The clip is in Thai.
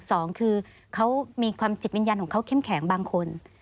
สองคือเขามีความจิตวิญญาณของเขาเข้มแข็งบางคน